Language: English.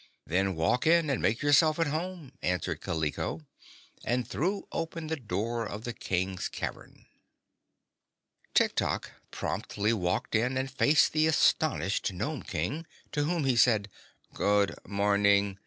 "Then walk in and make yourself at home," answered Kaliko, and threw open the door of the King's cavern. Tiktok promptly walked in and faced the astonished Nome King, to whom he said: "Good morn ing.